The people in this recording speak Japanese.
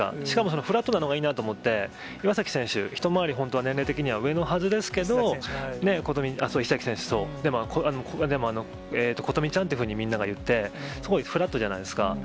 しかもそのフラットなのがいいなと思って、岩崎選手、一回り本当は年齢が上のはずですけど、石崎選手、でも琴美ちゃんっていうふうに、みんなが言って、すごいフラットじゃないですか。